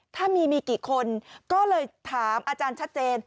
ถ้ามีมีกี่คนก็เลยถามอาจารย์ชัดเจน